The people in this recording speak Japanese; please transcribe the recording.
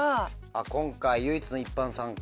今回唯一の一般参加。